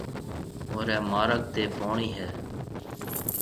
مهوريَ مارگ تي پوڻِي هيَ۔